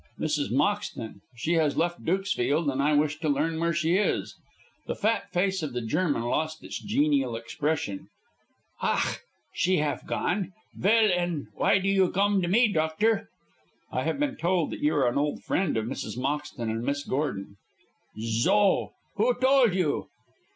"Mrs. Moxton. She has left Dukesfield, and I wish to learn where she is." The fat face of the German lost its genial expression. "Ach, she haf gone. Vell, and why do you gome to me, doctor?" "I have been told that you are an old friend of Mrs. Moxton and Miss Gordon." "Zo! Who told you?"